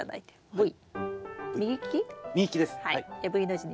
はい。